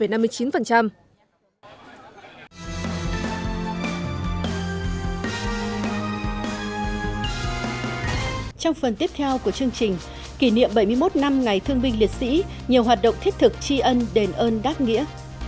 trong phần tiếp theo của chương trình kỷ niệm bảy mươi một năm ngày thương binh liệt sĩ nhiều hoạt động thiết thực tri ân đền ơn đáp nghĩa